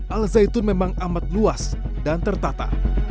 al zaitun memang amat luas dan tertata